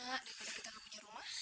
dari kata kita gak punya rumah